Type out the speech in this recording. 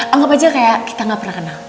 anggap aja kayak kita gak pernah kenal